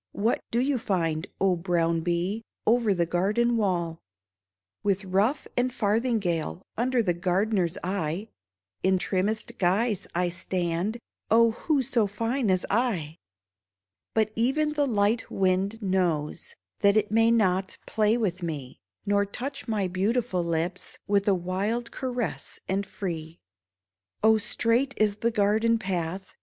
What do you find, O brown bee, Over the garden wall ? With ruff and farthingale, Under the gardener's eye, In trimmest guise I stand — Oh, who so fine as I ? But even the light wind knows That it may not play with me 5 Nor touch my beautiful lips With a wild caress and free. Oh, straight is the garden path.